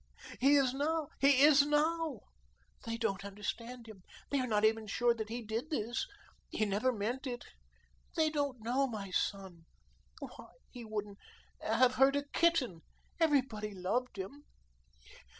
He is now, he is now. They don't understand him. They are not even sure that he did this. He never meant it. They don't know my son. Why, he wouldn't have hurt a kitten. Everybody loved him.